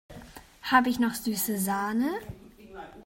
Habe ich noch süße Sahne?